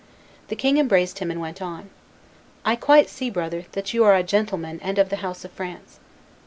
The king embraced him and went on; "I quite see, brother, that you are a gentleman and of the house of France."